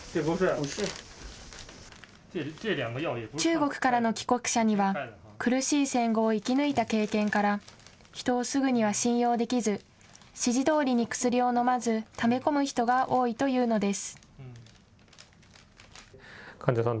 中国からの帰国者には苦しい戦後を生き抜いた経験から人をすぐには信用できず指示どおりに薬を飲まずため込む人が多いというのです。